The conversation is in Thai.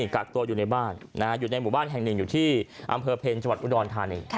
กักตัวอยู่ในบ้านอยู่ในหมู่บ้านแห่งหนึ่งอยู่ที่อำเภอเพลจังหวัดอุดรธานี